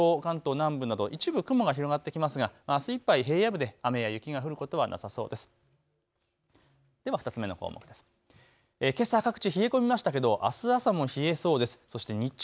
夜になると関東南部など一部雲が広がってきますが、あすいっぱい平野部で雨や雪が降ることはなさそうです。